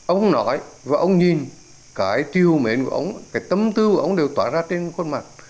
ông nói và ông nhìn cái chiều mến của ông cái tâm tư của ông đều tỏa ra trên khuôn mặt